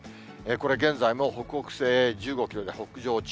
これ、現在も北北西１５キロで北上中。